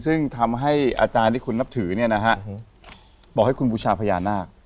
ซึ่งทำให้อาจารย์ที่คุณนับถือเนี่ยนะฮะบอกให้คุณบูชาพญานาค